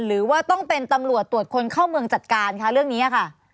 หรือว่าต้องเป็นตำรวจตรวจคนเข้าเมืองจัดการคะเรื่องนี้ค่ะ